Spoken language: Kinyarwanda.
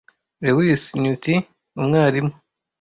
Lewis Nutty Umwarimu